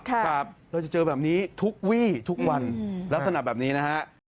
ครับเราจะเจอแบบนี้ทุกวี่ทุกวันลักษณะแบบนี้นะฮะ